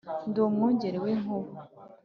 ndi umwungeri wi nkuba